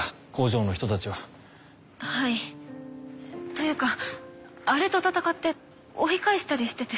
というかアレと戦って追い返したりしてて。